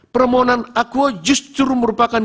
permohonan akuo justru merupakan